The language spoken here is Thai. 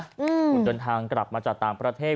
คุณเดินทางกลับมาจากต่างประเทศ